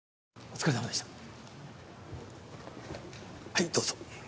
はいどうぞ。